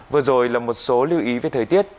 vừa rồi là một số lưu ý về thời tiết